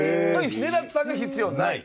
根建さんが必要ない？